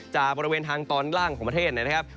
จากบริเวณทางตอนล่างของประเทศนะครับ